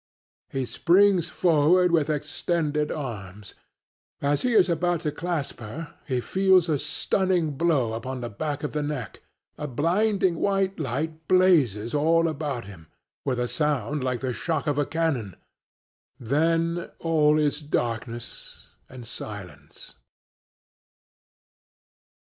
He springs forward with extended arms. As he is about to clasp her he feels a stunning blow upon the back of the neck; a blinding white light blazes all about him with a sound like the shock of a cannon then all is darkness and silence!